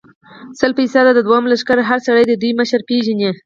سل فیصده، د دوهم لښکر هر سړی د دوی مشره پېژني.